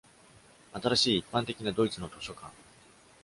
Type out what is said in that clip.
新しい一般的なドイツの図書館